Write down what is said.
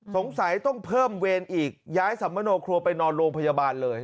สงสัยต้องเพิ่มเวรอีกย้ายสัมมโนครัวไปนอนโรงพยาบาลเลย